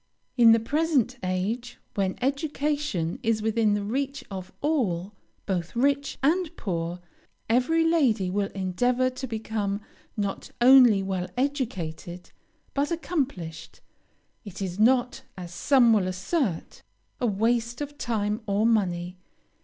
In the present age, when education is within the reach of all, both rich and poor, every lady will endeavor to become, not only well educated, but accomplished. It is not, as some will assert, a waste of time or money.